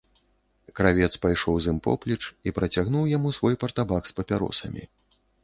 Кравец пайшоў з ім поплеч і працягнуў яму свой партабак з папяросамі.